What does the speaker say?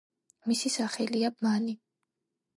მისი სახელია „ბანი“.